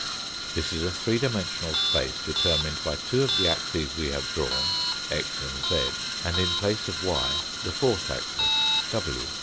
This is a three dimensional space determined by two of the axes we have drawn, x and z, and in place of y the fourth axis, w.